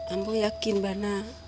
aku yakin banna